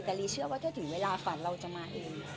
แต่ลีเชื่อว่าถ้าถึงเวลาฝันเราจะมาเอง